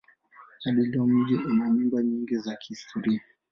Hadi leo mji una nyumba nyingi za kihistoria.